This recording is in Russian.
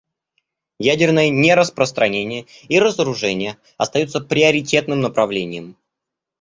Ядерное нераспространение и разоружение остаются приоритетным направлением.